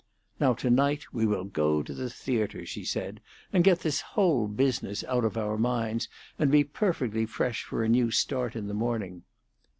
"Now to night we will go to the theatre," she said, "and get this whole house business out of our minds, and be perfectly fresh for a new start in the morning."